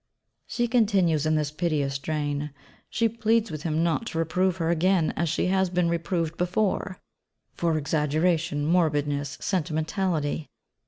She continues in this piteous strain. She pleads with him not to reprove her again as she has been reproved before, for exaggeration, morbidness, sentimentality.